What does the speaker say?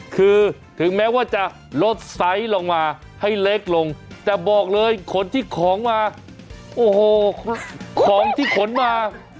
คือถึงแม้ว่าจะลดไซส์ลงมาให้เล็กลงแต่บอกเลยขนที่ของมาโอ้โหของที่ขนมา